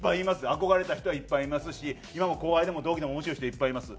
憧れた人はいっぱいいますし今も後輩でも同期でも面白い人いっぱいいます」。